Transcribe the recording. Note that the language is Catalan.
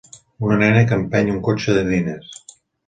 Una nena que empeny un cotxet de nines